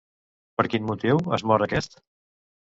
Per quin motiu es mor aquest?